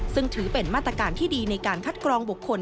ซึ่งถือเป็นมาตรการที่ดีในการคัดกรองบุคคล